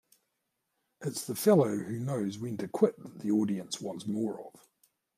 It's the fellow who knows when to quit that the audience wants more of.